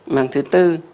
màng thứ tư